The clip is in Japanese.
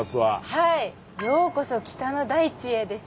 「ようこそ北の大地へ」ですよ。